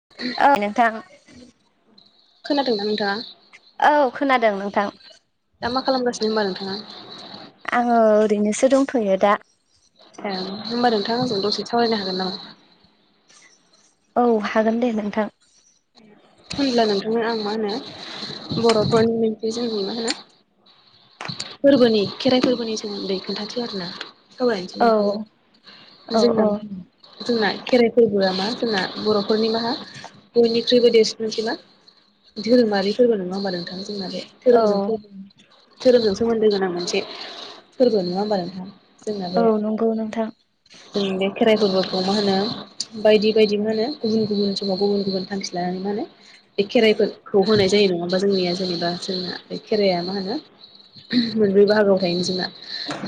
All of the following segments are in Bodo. [unintelligible] औ नोंथां खोनादोंना नोंथाङा? औ खोनादों नोंथां। दा मा खालामगासिनो होनबा नोंथाङा? आङो ओरैनोसो दंथ'यो दा ओम होनबा नोंथां आंजों दसे सावरायनो हागोन नामा? औ हागोन दे नोंथां। होनब्ला नोंथांनो आं मा होनो बर'फोरनि मोनसे जों माहोनो फोरबोनि खेराइ फोरबोनि सोमोन्दै खोन्थाथो आरोना। सावरायनिसै औ नोंथांजो औ औ जोंना [unintelligible] जोंना खेराइ फोरबोआ मा जोंना बर'फोरनि माहा बयनिख्रुइबो देस मोनसै मा धोरोमारि फोरबो नङा होमबा नों थां जोंना बे [unintelligible] औ धोरोमजों सोमोन्दो गोनां मोनसे फोरबो नङा होमबा नोंथां? जोंना औ बे नंगौ नोंथां जों बे खेराइ फोरबोखौ मा होनो बायदि बायदि मा होनो गुबुन गुबुन समाव गुबुन गुबुन [unintelligible] लानानै माने ए खेराइफोरखौ होनाय जायो नङाबा जोंनिया जेनेबा जोंना बे खेराइया मा होनो मोनब्रै बाहागोआव थायोनो जोंना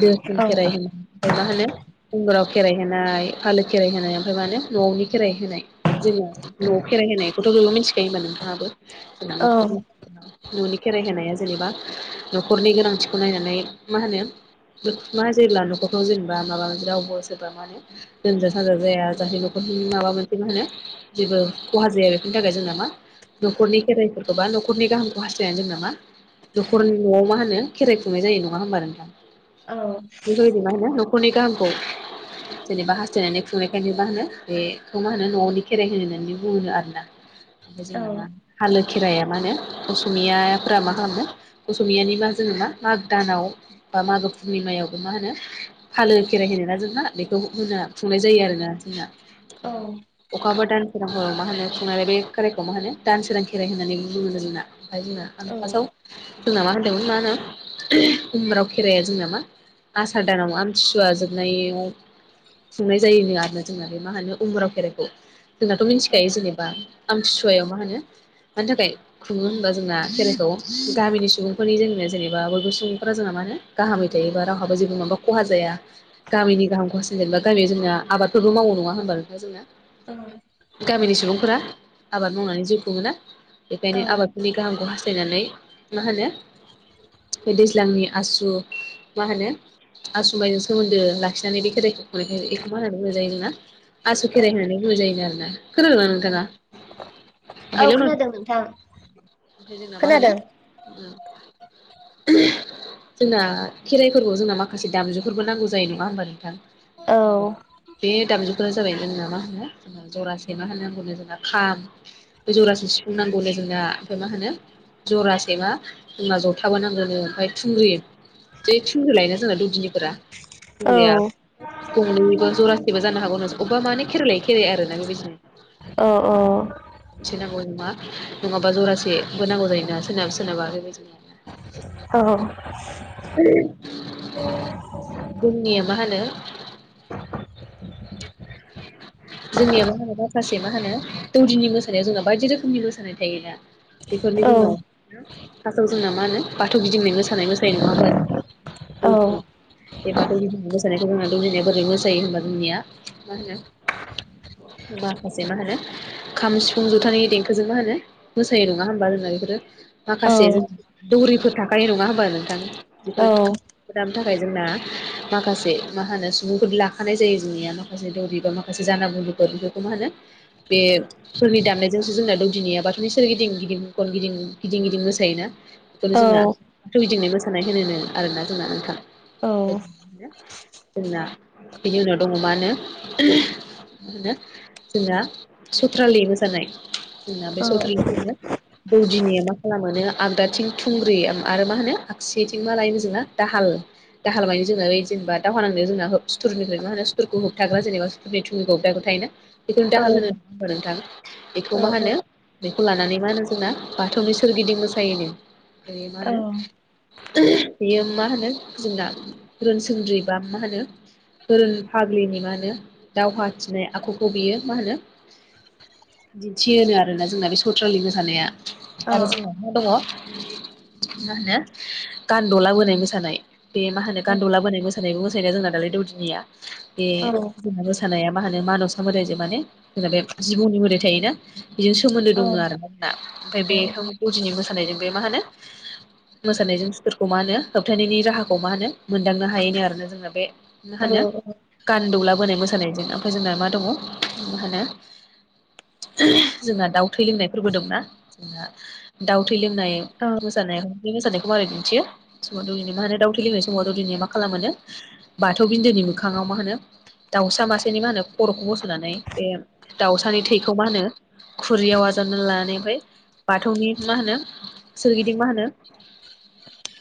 दो [unintelligible] औ खेराइ होन फाय मा होनो गंगुराव खेराइ होनाय आलो खेराइ होनाय ओमफाय मा होनो न'नि खेराइ होनाय। दिनो न'आव खेरहैनायखौथ' बयबो मिथिखायो होनोमबा नोंथाङाबो जोंना औ न'खरनि न'नि खेराइ होनाया जेनेबा न'खरनि गोनांथिखौ नायनानै मा होनो मा जेब्ला न'खरखौ जेनेबा माबा मोनसे रावबो सोरबा मा होनो लोमजा साजा जाया जाहथे न'खरनि माबा मोनसे मा होनो जेबो खहा जाया बेफोरनि थाखाय जों नामा न'खरनि खेराइफोरखौ बा न'खरनि गाहामखौ हास्थायनानै जों नामा नखरनि न'आव मा होनो खेराइ खुंनाय जायो नङा होनबा नोंथां? औ बिफोरबादि मा होनो न'खरनि गाहामखौ जेनेबा हास्थायनानै खुंनायखायनो मा होनो बेखौ मा होनो न'नि खेराइ होनोनो बुङो आरोना ओमफ्राय औ जोंना मा हालो खेराइाया मा होनो असमियाफोरा मा खालामदों असमियानिबा जोङो मा माघ दानाव ओ मागोनि पुर्निमायावबो मा होनो फालो खेराइ होनोना जोंहा बेखौ होना खुंनाय जायो आरोना जोंना औ अखाफोर दान [unintelligible] मा होनो खुंनानै बे खेराइखौ मा होनो दानसोरां खेराइ होननानै बुङो जोंना ओमफाय जोंना आं फार्स्टआव जोंना मा होनदोंमोन मा होनो [unintelligible] उम्राव खेराया जोंना मा आसाार दानाव आमथिसुवा जोबनायाव खुंनाय जायोनो आरो जोंना बे मा होनो उमुराव खेराइखौ जोंनाथ' मिथिखायो जेनेबा आमथिसुवायाव मा होनो मानि थाखाय खुङो होनबा जोंना खेराइखौ गामिनि सुबुंफोरनि जोंनो जेनेबा बयबो सुबुंफोरा जोंना मा होनो गाहामै थायोबा रावहाबो जेबो माबा खहा जाया गामिनि गाहामखौ हासिना गामियाव जोंना आबादफोरबो मावो नङा होनबा नोंथां जोंना औ गामिनि सुबुंफोरा आबाद मावनानै जिउ खुङोना? औ बेखायनो आबादफोरनि गाहामखौ हास्थायनानै मा होनो बे दैज्लांनि आसु मा होनो आसुमाइजों सोमोन्दो लाखिनानै बे खेदाइखौ खुंनायखायनो इखौ मा होनो मा [unintelligible] जायो जोंना आसु औ खेराइ होननानै बुजायोन आरोना खोनादों नोंथाङा औ हेलौ नोंथ खोनादों नोंथां ओमफ्राय जोंना मा होनो खोनादों ओ [unintelligible] जोंना खेराइफोरबोयाव जोंना माखासे दामजुफोरबो नांगौ जायो नङा होमबा नोंथां औ बे दामजुखो जेरै जोंना मा होनो जरासे मा होनो नांगौनो जोंना खाम बे जरासे सिफुं नांगौनो जोंना ओमफ्राय मा होनो जरासे मा जोंना जथाबो नांगोनो ओमफ्राय थुंग्रि बे थुग्रि लायोना जोंना दौदिनिफोरा औ थुग्रिया गंनैनिबो जरासेबो जानो हागौ नों अबेबा माने खेराय लायै खेराय आरो ना अ अ थि नांगौ नङा नङाबा जरासेबो नांगौ जायोना सोनाबा सोनाबा बेबायदि नो आरो औ औ [unintelligible] जोंनिया मा होनो [inaudible] जोंनिया मा होनो माखासे मा होनो दौदिनि मोसानायाव जोंना बायदि रोखोमनि मोसानाय थायोना बेफोरनि औ औ जोंनाव फार्स्टआव जोंना मा होनो बाथौ गिदिंनाय मोसानाय मोसायो नङा ओमबा [unintelligible] एबा दौदिनि फोरनि मोसानायखौ जोंना दौदिनाया बोरै मोसायो होनबा जोंनिया मा होनो माखासे मा होनो खाम, सिफुं, जथानि देंखोजों मा होनो मोसायो नङा होमबा जोंना बेफोरो माखासेजों दौरिफोर थाखायो नङा होनबा नोंथां बिफोर दाबनो थाखाय जोंना माखासे मा होनो सुबुंफोर लाखानाय जायो जोंनिया माखासे दौरि बा माखासे जानागुरुफोर बिफोरखौ मा होनो बे फोरनि दामनायजोंसो जोंना दौदिनिया बाथौनि सोरगिदिं गिदिं खन गिदिं गिदिं गिदिं मोसायोना बेखौनो जोंना थौगिदिंनाय मोसानाय होनो आरोना जोंना नोंथां जोंना बिनि उनाव दङ मा होनो [unintelligible] मा होनो जोंना चथ्रालि मोसानाय जोंना बे सथ्रालियाव होनो [unintelligible] दौदिनिया मा खालामो आगदाथिं थुंग्रि आरो मा होनो आगसिथिं मा लायोमोन जोंना दाहाल [unintelligible] दाहाल मानि जों बे जेनेबा दावहा नांनो जोंना ह सुथुरनिफ्राय मा होनो सुथुरखौ होब [unintelligible] थाग्रा जेनेबा सुनि थुंग गबदा ग थायोना बेखौ दाहोन होनो बा नोंथां बेखौ मा होनो बेखौ लानानै मा होनो जोंना बाथौनि सोरगिदिं मोसायोनो ओमफ्राय मा होनो [unintelligible] बियो मा होनो जोंना रोन सोनद्रि बा मा होनो [unintelligible] फाग्लिनि मा होनो दावहा थिनाय आखुखौ बियो मा होनो दिन्थि होनो आरोना जोंना बे सथ्रालि मोसानाया आरो जोंना [unintelligible] मा दङ मा होनो गानदला बोनाय मोसानाय। बे मा होनो गान्दौला बोनाय मोसानायबो मोसायोना जोंना दालाय दौदिनिया। बे जोंहा मोसानाया मा होनो मानावसा मोदायजों माने जोंना बे जिबौनि मोदाइ थायोना? बेजों सोमोन्दो औ दङ आरो मा जोंना ओमफ्राय बे औ गौदिनि मोसानायजों बे मा होनो? मोसानायजों मा होनो सुथुरखौ होबथानायनि राहाखौ मा होनो मोनदांनो हायनो आरोना जोंना बे मा औ होनो गान दौलाबोनाय मोसानायजों ओमफ्राय जोंना मा दङ मा होनो। जोंना दाउ थै लोंनाय फोरबो दंना दाउ थै लोंनाय औ। मोसानाया बे मोसानायखौ माबोरै दिन्थियो बे समाव दौदिनि मा होनो दाउ थिलिनाय समावहा दौदिनिया मा खालामोनो बाथौ बिन्दोनि मोखाङाव मा होनो दाउसा मासेनि मा होनो खर'खौ बस'नानै बे दाउसानि थैखौ मा होनो। खुरियाव आजावना लानानै ओमफ्राय बाथौनि मा होनो सोरगिदिं मा होनो?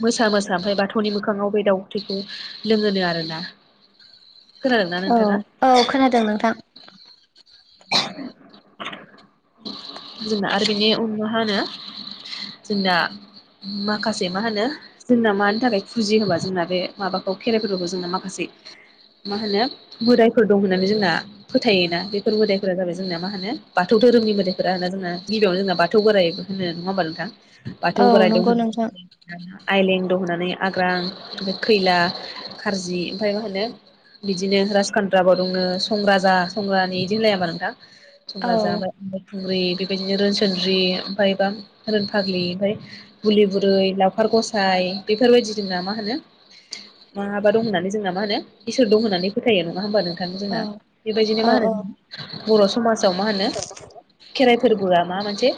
मोसा मोसा ओमफ्राय बाथौनि मोखाङाव बे दाउदै थैखौ लोङोनो आरोना। खोनादोंना औ नोंथाङा औ खोनादों नोंथां। [unintelligible] जोंना आरो बिनि उनाव मा हानो। जोंना माखासे मा होनो? जोंना मानि थाखाय फुजियो होमबा जोंना बे माबाखौ खेराइ फोरबोखौ जोंना माखासे। मा होनो मोदायफोर दं होननानै जोंना फोथायोना बे फोर मोदायफोरा जाबाय जोंना मा होनो बाथौ धोरोमनि मोदाइफोरा होना जोंहा गिबियावनो जोंना बाथौ बोराय होनो नङा होमबा नोंथां? बाथौ औ बोराय दं नंगौ नोंथां होनना आइलें दं होन्नानै आग्रां ओमफ्राय खैला खारजि ओमफ्राय मा होनो? बिदिनो राजखानद्राबो दङो नों सं राजा सं रानि। मिलायाबा नोंथां औ संराजा [unintelligible] खुंग्रि बेबायदिनो रोनसोनद्रि ओमफायबा रोन फाग्लि ओमफाय। बुलि बुरै लावखार गसाय बेफोरबायदि दोन्ना मा होनो? माहाबा दं होननानै जोंना मा होनो इसोर दं होन्नानै फोथायो नङा होमबा नों थां औ जोंना औ बेबायदिनो मा होनो बर' समाजाव मा होनो? खेराइ फोरबोआ मा मोनसे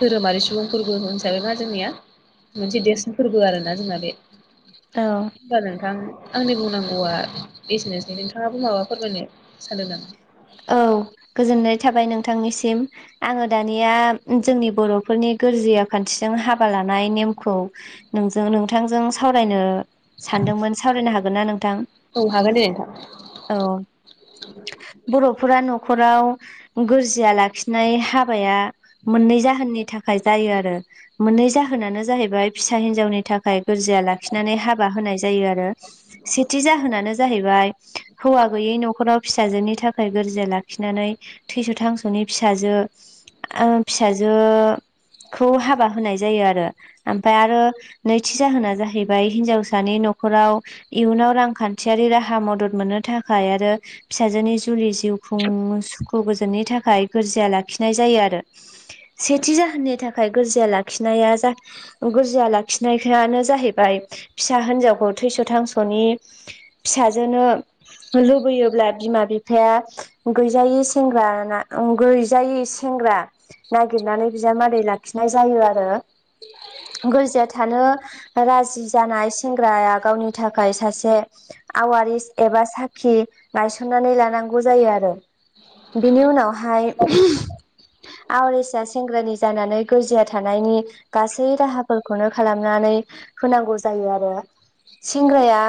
धोरोमारि सुबुं फोरबो होनसाबै मा जोंनिया मोनसे देरसिन फोरबो आरो ना जोंना बे। औ। होनबा नोंथां आंनि बुंनांगौआ एसेनोसै नोंथाङाबो माबा फोरमायनो सानदों नामा? औ गोजोननाय थाबाय नोंथांनिसिम। आङो दानिया जोंनि बर'फोरनि गोरजिया खान्थिजों हाबा लानाय नेमखौ। नोंजों नोंथांजों सावरायनो सानदोंमोन सावरायनो हागोनना नोंथां? औ हागोन दे नोंथां। औ बर'फोरा न'खराव। गोरजिया लाखिनाय हाबाया मोननै जाहोननि थाखाय जायो आरो। मोननै जाहोनानो जाहैबाय फिसा हिनजावनि थाखाय गोरजिया लाखिनानै हाबा होनाय जायो आरो। सेथि जाहोनानो जाहैबाय हौवा गोयि न'खराव फिसाजोनि था खाय गोरजा लाखिनानै थैस' थांस'नि फिसाजो। ओ फिसाजोखौ हाबा होनाय जायो आरो। ओमफ्राय आरो नैथि जाहोना जाहैबाय हिनजावसानि न'खराव। इयुनाव रांखान्थियारि राहा मदद मोननो थाखाय आरो फिसाजोनि जुलि जिउ खुंनो सुखु गोजोननि थाखाय गोरजिया लाखिनाय जायो आरो। सेथि जाहोननि थाखाय गोरजिया लाखिनाया जा गोर्जिया लाखिनाय ख्यानो जाहैबाय फिसा हिनजावखौ थैस' थांस'नि फिसाजोनो लुबैयोब्ला बिमा बि फाया गैजायि सेंग्रा ना उम गैजायि सेंग्रा। नागिरनानै बिजामादै लाखिनाय जायो आरो। गोरजिया थानो राजि जानाय सेंग्राया गावनि थाखाय सासे आवारिस एबा साखि गायसननानै लानांगौ जायो आरो। बिनि उनावहाय। आवरिसा सेंग्रानि जानानै गोरजिया थानायनि गासै राहाफोरखौनो खालामनानै होनांगौ जायो आरो। सेंग्राया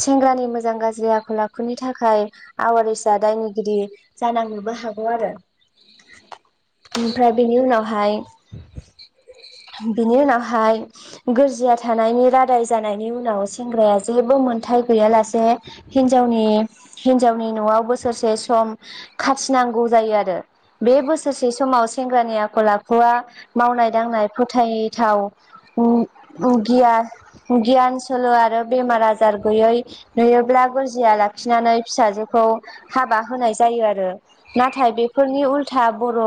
सेंग्रानि मोजां गाज्रि आखल-आखुनि थाखाय आवारि दायनिगिरि जानांनोबो हागौ आरो। ओमफ्राय बेनि उनावहाय बेनि उनावहाय गोरजिया थानायनि रादाय जानायनि उनाव सेंग्राया जेबो मोनथाय गैयालासे हिन्ावनि हिन्जावनि न'आव बोसोरसे सम खाथिनांगौ जायो आरो। बे बोसोरसे समाव सेंग्रानि आखल आखुआ मावनाय दांनाय फोथायथाव गियाान गियान सोलो आरो बेमार आजार गैयै नुयोब्ला गोरजिया लाखिनानै फिसाजोखौ हाबा होनाय जायो आरो नाथाय बेफोरनि उल्था बर'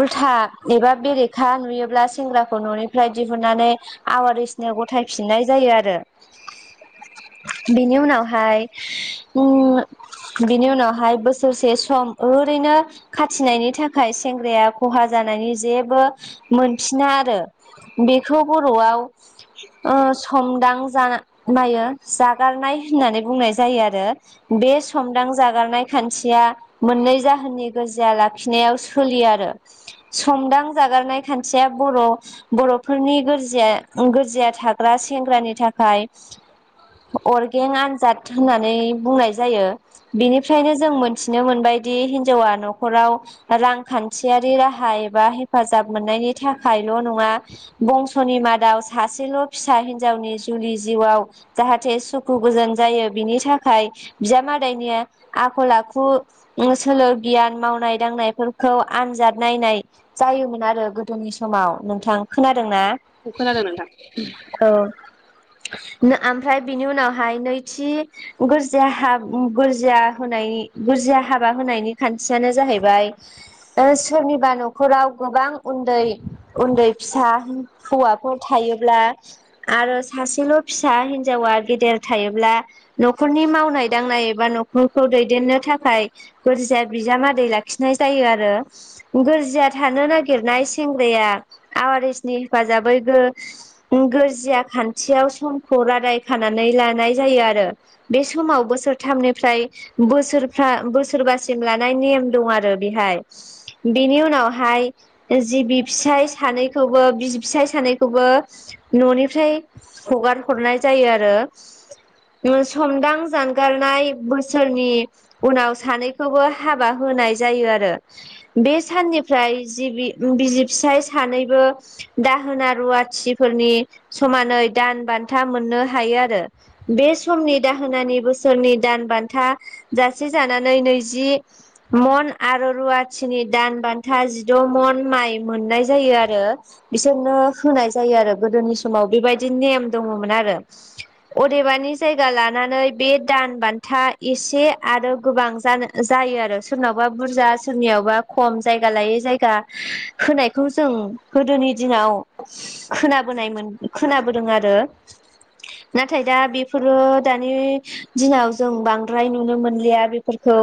उल्था एबा बेरेखा नुयोब्ला सेंग्राखौ न'निफ्राय दिहुननानै आवारासनो गथायफिननाय जायो आरो। बेनि उनावहाय उम बिनि उनावहाय बोसोरसे सम ओरैनो खाथिनायनि थाखाय सेंग्राया खहा जानायनि जेबो मोनफिना आरो। बेखौ बर'आव समदांजायो जागारनाय होननानै बुंनाय जायो आरो बे समदां जागारनाय खान्थिया मोननै जाहोननि गोरजिया लाखिनायाव सोलियो आरो समदां जागारनाय खान्थिया बर' बर'फोरनि गोरजिया गोरजिया थाग्रा सेंग्रानि थाखाय अरगें आनजाद होननानै बुंनाय जायो। बिनिफ्रायनो जों मोनथिनो मोनबायदि हिनजावा न'खराव रांखान्थियारि राहा एबा हेफाजाब मोननायनि थाखायल' नङा। बंस'नि मादाव सासेल' फिसा हिनजावनि जुलि जिउआव जाहाथे सुखु गोजोन जायो बिनि थाखाय बिजामादैनि आखल आखु सोलो गियान मावनाय दांनायफोरखौ आनजाद नायनाय जायोमोन आरो गोदोनि समाव नोंथां खोनादों ना? औ खोनादों नोंथां। औ आमफ्राय बिनि उनावहाय नैथि गोरजिया हा गोरजिया होनायनि गोरजिया हाबा होनायनि खान्थियानो जाहैबाय सोरनिबा न'खराव गोबां उन्दै उन्दै फिसा हौवाफोर थायोब्ला आरो सासेल' फिसा हिनजावा गेदेर थायोब्ला न'खरनि मावनाय दांनाय एबा न'खरखौ दैदेननो थाखाय बुरजाया बिजामादै लाखिनाय जायो आरो। गोरजिया थानो नागिरनाय सेंग्राया आवारिसनि हेफाजाबै गो रजिया खान्थियाव समखौ रादाय खानानै लानाय जायो आरो। बे समाव बो सोरथामनिफ्राय बोसोरफ्रा बोसोरबासिम लानाय नेम दं आरो बेहाय। बेनि उनावहाय जि बि फिसाय सानैखौबो बि फिसाय सानैखौबो न'निफ्राय हगार हरनाय जायो आरो समदां जान गारनाय बोसोरनि उनाव सानैखौबो हाबा होनाय जायो आरो। बे साननिफ्राय जिबि बिसि फिसाय सानैबो दाहोना रुवाथिफोरनि समानै दान बान्था मोननो हायो आरो। बे समनि दाहोनानि बोसोरनि दान बान्था जासे जानानै नैजि मन आरो रुवाथिनि दान बान्था जिद' मन माइ मोननाय जायो आरो। बिसोरनो होनाय जायो आरो गोदोनि समाव बेबायदि नेम दङमोन आरो। अदेबानि जायगा लानानै बे दान बान्था एसे आरो गोबां जानो जायो आरो सोरनावबा बुरजा सोरनियावबा खम जायगा लायै जायगा होनायखौ जों गोदोनि दिनाव खोनाब बोनायमोन खोनाबोदों आरो नाथाय दा बेफोरो दानि दिनाव जों बांद्राय नुनो मोनलिया बेफोरखौ।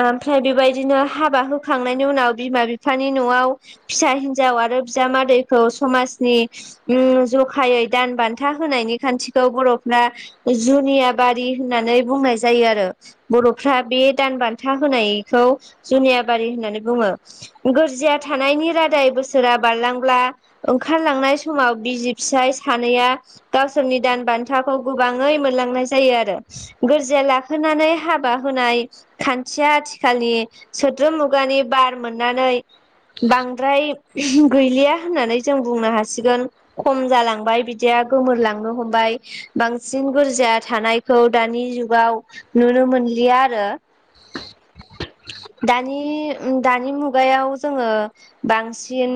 ओमफ्राय बेबायदिनो हाबा होखांनायनि उनाव बिमा बिफानि न'आव फिसा हिन्जाव आरो बिजामादैखौ समाजनि उम जखायै दान बान्था होनायनि खान्थिखौ बर'फ्रा जुनिया बारि होननानै बुंनाय जायो आरो। बर'फ्रा बे दान बान्था होनायखौ जुनिया बारि होननानै बुङो। गोरजिया थानायनि रादाय बोसोरा बारलांब्ला ओंखारलांनाय समाव बिसि फिसाय सानैया गावसोरनि दान बान्थाखौ गोबाङै मोनलांनाय जायो आरो। गोरजिया लाखोनानै हाबा होनाय खान्थिया आथिखालि सोद्रोम मुगानि बार मोननानै बांद्राय गैलिया होननानै जों बुंनो हासिगोन। खम जालांबाय बिदिया गोमोरलांनो हमबाय बांसिन गोरजाया थानायखौ दानि जुगाव नुनो मोनलिया आरो। [inaudible] दानि दानि मुगायाव जोङो बांसिन